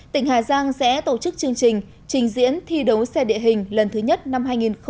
tỉnh hà giang sẽ tổ chức chương trình trình diễn thi đấu xe địa hình lần thứ nhất năm hai nghìn hai mươi